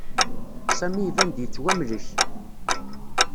Sami iban-d yettwamlek.